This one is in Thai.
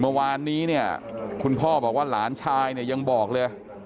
เมื่อวานนี้คุณพ่อบอกว่าหลานชายยังบอกเลย